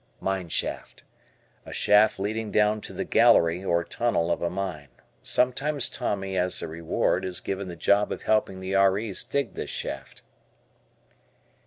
Mine Shaft. A shaft leading down to the "gallery" or tunnel of a mine. Sometimes Tommy, as a reward, is given the Job of helping the R. E.'s dig this shaft.